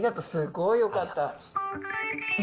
すごいよかった。